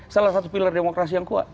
salah satu pilar demokrasi yang kuat